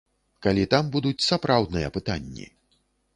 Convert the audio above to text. Калі там будуць сапраўдныя пытанні.